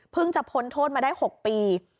เพิ่งจะพ้นโทษมาได้๖ปี